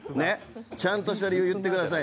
ちゃんとした理由言ってください。